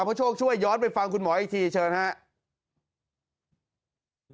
เพราะโชคช่วยย้อนไปฟังคุณหมออีกทีเชิญครับ